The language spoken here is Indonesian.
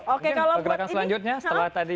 oke kalau bergerakan selanjutnya setelah tadi